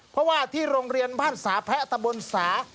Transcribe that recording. เพราะว่าที่โรงเรียนบ้านสาแพะตะบนสา